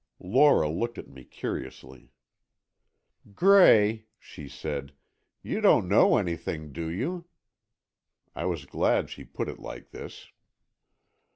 Lora looked at me, curiously. "Gray," she said, "you don't know anything, do you?" I was glad she put it like this.